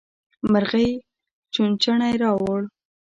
مرغۍ چوچوڼی راووړ.